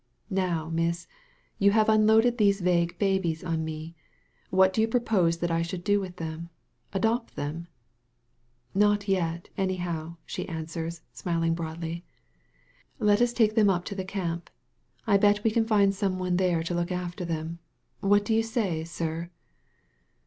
'^Nowy miss, you have unloaded these vague babies on me. What do you propose that I should do with them ? Adopt them ?"Not yet, anyhow," she answers, smiling broadly. •*Let us take them up to the camp. I'll bet we can find some one there to look after them. What do you say, sir?"